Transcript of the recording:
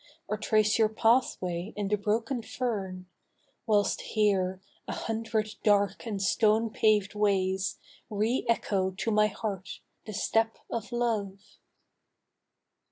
Or trace your pathway in the broken fern, Whilst here a hundred dark and stone paved ways Re echo to my heart the step of Love